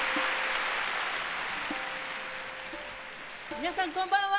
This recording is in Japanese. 皆さんこんばんは！